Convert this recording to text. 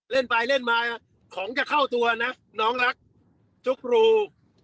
เล่นไปเล่นมาของจะเข้าตัวนะน้องรักจุ๊กรู